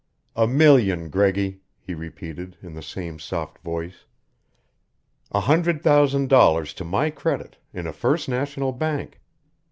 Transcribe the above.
"A million, Greggy," he repeated, in the same soft voice. "A hundred thousand dollars to my credit in a First National Bank!